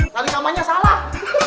lari kamarnya salah